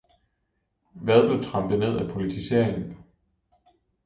Hvad blev trampet ned af politiseringen?